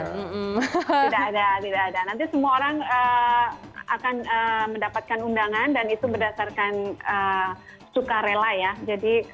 nanti semua orang akan mendapatkan undangan dan itu berdasarkan sukarela ya